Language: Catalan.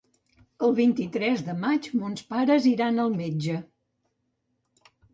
El vint-i-tres de maig mons pares iran al metge.